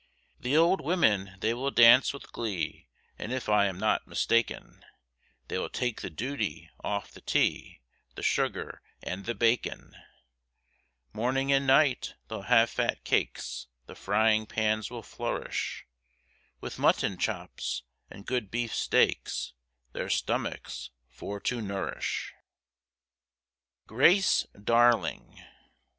The old women they will dance with glee, and if I'm not mistaken, They will take the duty off the tea, the sugar, and the bacon; Morning and night they'll have fat cakes, the frying pans will flourish, With mutton chops and good beef steaks, their stomachs for to nourish. GRACE DARLING.